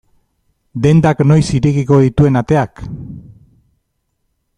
Dendak noiz irekiko dituen ateak?